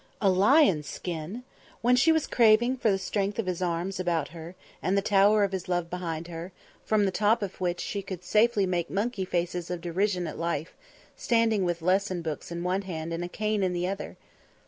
A lion's skin! When she was craving for the strength of his arms about her, and the tower of his love behind her, from the top of which she could safely make monkey faces of derision at Life, standing with lesson books in one hand and a cane in the other.